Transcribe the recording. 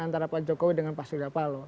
antara pak jokowi dengan pak surya palo